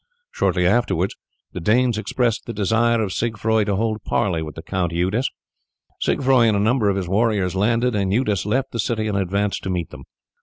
Shortly afterwards the Danes expressed the desire of Siegfroi to hold parley with the Count Eudes. Siegfroi and a number of his warriors landed, and Eudes left the city and advanced to meet them.